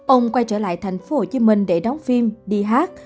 ông quay trở lại thành phố hồ chí minh để đóng phim đi hát